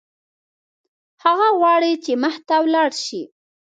هغه غواړي چې مخته ولاړ شي.